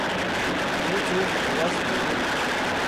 nyu cu m’was-biru